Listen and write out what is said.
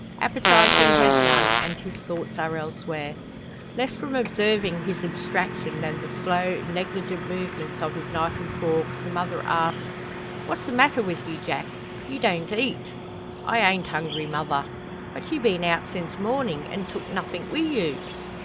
Appetite he has none, and his thoughts are elsewhere. Less from observing his abstraction, than the slow, negligent movements of his knife and fork, the mother asks "What's the matter with ye, Jack? Ye don't eat!" "I ain't hungry, mother." "But ye been out since mornin', and tooked nothing wi' you!"